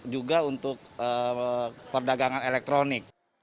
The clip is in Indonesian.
juga untuk perdagangan elektronik